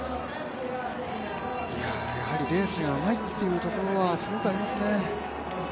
やはりレースがうまいっていうところがすごくありますね。